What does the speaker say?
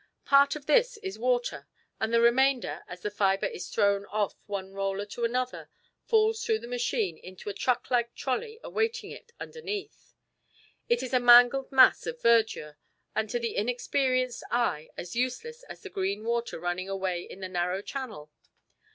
Part of this is water and the remainder, as the fibre is thrown off one roller to another, falls through the machine into a truck like trolley awaiting it underneath. It is a mangled mass of verdure, and to the inexperienced eye as useless as the green water running away in the narrow channel.